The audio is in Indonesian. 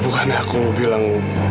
bukan aku mau bilang